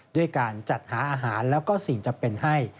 ด้วยการจัดหาอาหารแล้วก็สิ่งจำเป็นให้